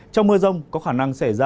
trong mưa rông có khả năng xảy ra